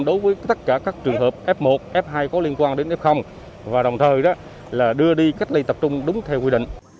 đối với tất cả các trường hợp f một f hai có liên quan đến f và đồng thời đưa đi cách ly tập trung đúng theo quy định